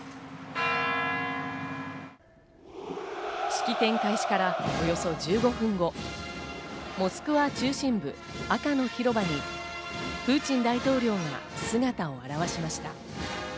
式典開始からおよそ１５分後、モスクワ中心部・赤の広場にプーチン大統領が姿を現しました。